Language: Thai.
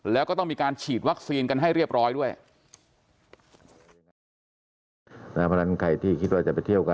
แล้วก็ต้องมีการฉีดวัคซีนกันให้เรียบร้อยด้วย